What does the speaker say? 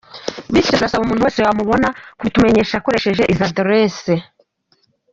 Bityo turasaba umuntu wese wamubona kubitumenyesha akoresheje izi address:.